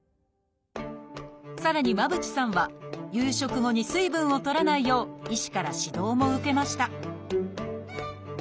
さらに間渕さんは夕食後に水分をとらないよう医師から指導も受けました